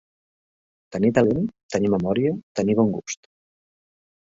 Tenir talent, tenir memòria, tenir bon gust.